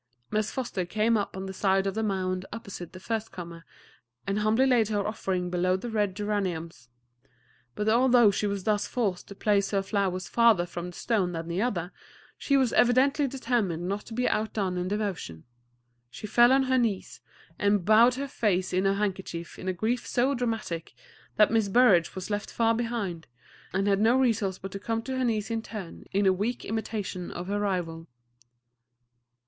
Miss Foster came up on the side of the mound opposite to the first comer, and humbly laid her offering below the red geraniums; but although she was thus forced to place her flowers farther from the stone than the other, she was evidently determined not to be outdone in devotion. She fell on her knees, and bowed her face in her handkerchief in a grief so dramatic that Miss Burrage was left far behind, and had no resource but to come to her knees in turn, in a weak imitation of her rival.